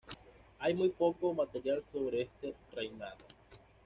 Hay muy poco material sobre este reinado.